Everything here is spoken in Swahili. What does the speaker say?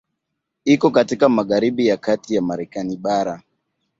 Iko katika magharibi ya kati ya Marekani bara.